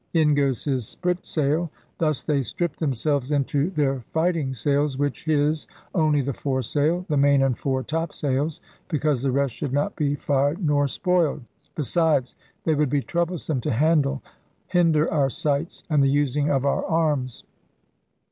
In goes his sprit sail. Thus they strip themselves into their fighting sails, which is, only the foresail, the main and fore topsails, because the rest should not be fired nor spoiled; besides, they would be troublesome to handle, hinder our sights and the using of our arms.